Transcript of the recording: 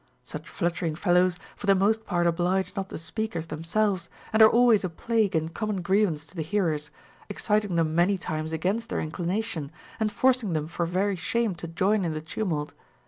Such fluttering felloΛvs for the most part oblige not the speakers themselves, and are always a plague and common grievance to the hearers, exciting them many times against their inclination, and forcing them for very shame to join in the tumult.